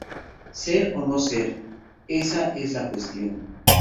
Ser o no ser, esa es la cuestión